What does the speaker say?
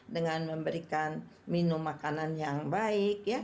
dengan memberikan minum makanan yang baik